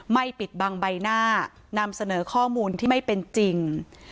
ปิดบังใบหน้านำเสนอข้อมูลที่ไม่เป็นจริง